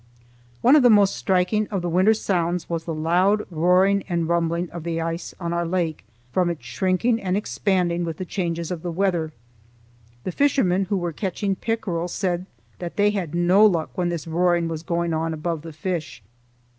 One of the most striking of the winter sounds was the loud roaring and rumbling of the ice on our lake, from its shrinking and expanding with the changes of the weather. The fishermen who were catching pickerel said that they had no luck when this roaring was going on above the fish.